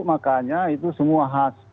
makanya itu semua khas